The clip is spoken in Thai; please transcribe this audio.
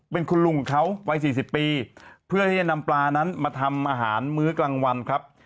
เป็นคุณลุงของเขาวัยสี่สิบปีเพื่อที่จะนำปลานั้นมาทำอาหารมื้อกลางวันครับ